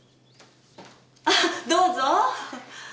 あどうぞ。